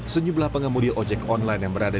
senjublah pengemudi ojek online yang berada di dpr